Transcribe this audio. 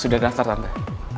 sudah daftar tanda